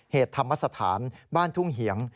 ธรรมสถานบ้านทุ่งเหียง